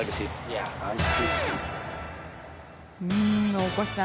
大越さん